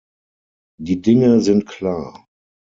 Die Dinge sind klar.